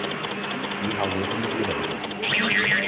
以後會通知你嘅